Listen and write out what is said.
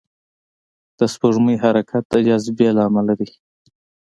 د سپوږمۍ حرکت د جاذبې له امله دی.